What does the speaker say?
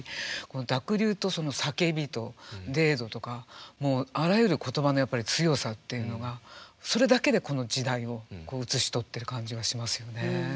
この「濁流」とその「叫び」と「泥土」とかもうあらゆる言葉の強さっていうのがそれだけでこの時代を写し取ってる感じがしますよね。